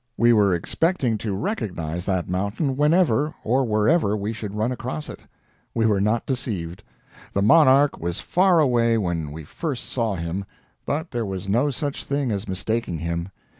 We were expecting to recognize that mountain whenever or wherever we should run across it. We were not deceived. The monarch was far away when we first saw him, but there was no such thing as mistaking him.